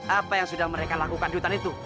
apa yang sudah mereka lakukan di hutan itu